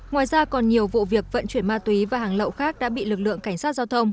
ngoài ra còn nhiều vụ việc vận chuyển ma túy và hàng lậu khác đã bị lực lượng cảnh sát giao thông